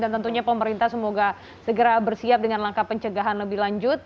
dan tentunya pemerintah semoga segera bersiap dengan langkah pencegahan lebih lanjut